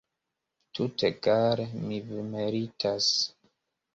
Tutegale vi meritas.